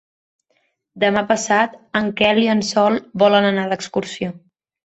Demà passat en Quel i en Sol volen anar d'excursió.